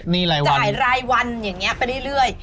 นี่รายวันจ่ายรายวันอย่างนี้ไปเรื่อย